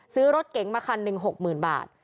ซื้อรถเก๋งมาคันหนึ่งหกหมื่นบาท